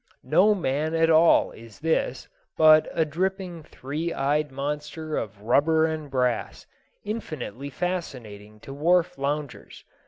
No man at all is this, but a dripping three eyed monster of rubber and brass, infinitely fascinating to wharf loungers.